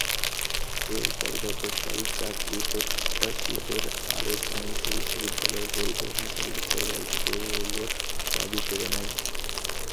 এরপর গতকাল চাকরিপ্রত্যাশীদের আরেক অংশ বিশ্ববিদ্যালয়ের পরিবহন সার্ভিসের বাসগুলোর চাবি কেড়ে নেয়।